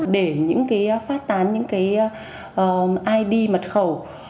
để những cái phát tán những cái id mật khẩu